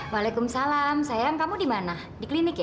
waalaikumsalam sayang kamu di mana di klinik ya